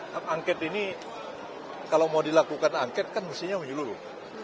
hak angket ini kalau mau dilakukan angket kan mestinya menghiluruh